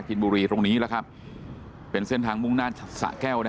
นบุรีตรงนี้แล้วครับเป็นเส้นทางมุ่งหน้าสะแก้วนะ